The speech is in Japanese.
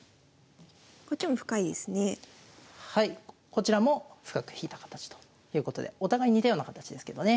こちらも深く引いた形ということでお互い似たような形ですけどね。